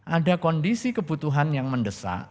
ada kondisi kebutuhan yang mendesak